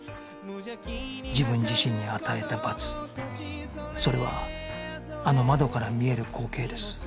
自分自身に与えた罰それはあの窓から見える光景です